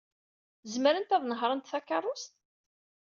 Zemrent ad nehṛent takeṛṛust?